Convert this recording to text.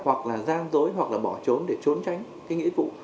hoặc là gian dối hoặc là bỏ trốn để trốn tránh cái nghĩa vụ